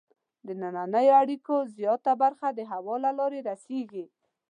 د دنننیو اړیکو زیاته برخه د هوا له لارې رسیږي.